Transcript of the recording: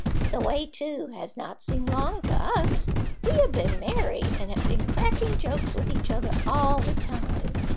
The way, too, has not seemed long to us; we have been merry, and have been cracking jokes with each other all the time."